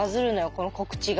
この告知が。